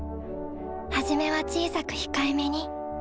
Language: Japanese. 初めは小さく控えめに。